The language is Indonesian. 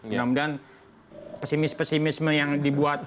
kemudian pesimis pesimisme yang dibuat